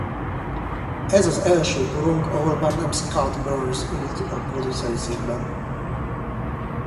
Ez az első korong ahol már nem Scott Burns ült a produceri székben.